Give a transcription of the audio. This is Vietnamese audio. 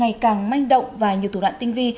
ngày càng manh động và nhiều thủ đoạn tinh vi